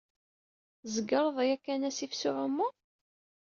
Tzegreḍ yakkan asif s uɛumu?